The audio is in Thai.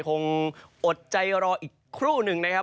อดใจรออีกครู่หนึ่งนะครับ